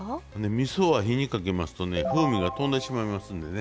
みそは火にかけますとね風味がとんでしまいますんでね